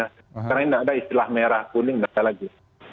karena ini tidak ada istilah merah kuning tidak ada lagi